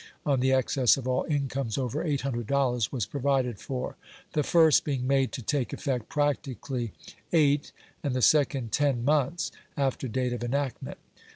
on the excess of all incomes over $800 was provided for; the first being made to take effect practically eight, and the second ten months after date of enactment.